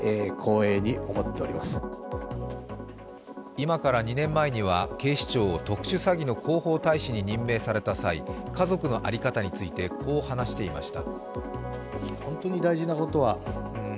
今から２年前には警視庁・特殊詐欺の広報大使に任命された際、家族の在り方についてこう話していました。